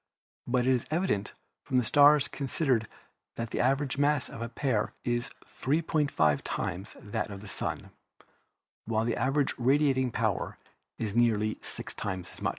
But it is evident from the stars considered that the average mass of a pair is 3.5 times that of the Sun, while the average radiating power is nearly six times as much.